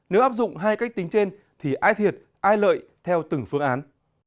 nếu áp dụng hai cách tính trên thì ai thiệt ai lợi theo từng phương án